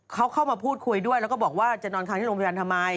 เขาเข้ามาพูดคุยด้วยแล้วก็บอกว่าจะนอนค้างที่โรงพยาบาลทำไม